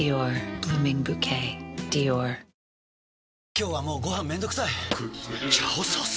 今日はもうご飯めんどくさい「炒ソース」！？